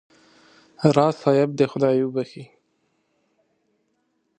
راز صاحب دې خدای وبخښي.